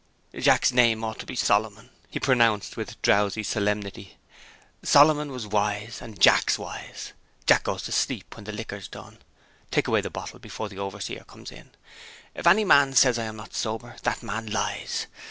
"Jack's name ought to be Solomon," he pronounced with drowsy solemnity; "Solomon was wise; and Jack's wise. Jack goes to sleep, when the liquor's done. Take away the bottle, before the overseer comes in. If any man says I am not sober, that man lies.